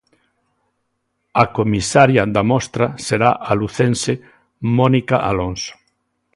A comisaria da mostra será a lucense Mónica Alonso.